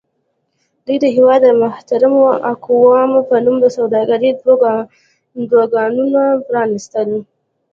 دوی د هېواد د محترمو اقوامو په نوم د سوداګرۍ دوکانونه پرانیستل.